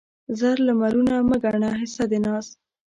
زر لمرونه مه ګڼه حصه د ناز